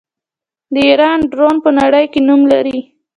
د ایران ډرون په نړۍ کې نوم لري.